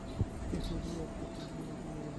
এই বলিয়া অক্ষয় চা খাইয়া চলিয়া গেল।